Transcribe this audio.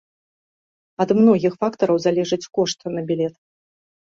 Ад многіх фактараў залежыць кошт на білет.